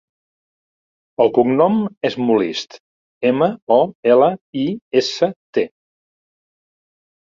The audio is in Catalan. El cognom és Molist: ema, o, ela, i, essa, te.